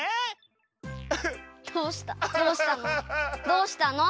どうしたの？